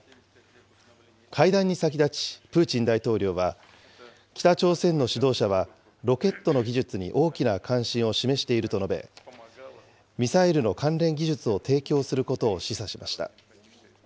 会談に先立ち、プーチン大統領は、北朝鮮の指導者はロケットの技術に大きな関心を示していると述べ、ミサイルの関連技術を提供することを示唆しました。